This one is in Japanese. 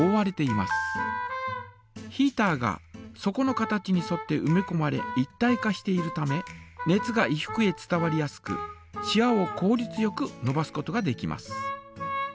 ヒータが底の形にそってうめこまれ一体化しているため熱が衣服へ伝わりやすくしわをこうりつよくのばすことができます。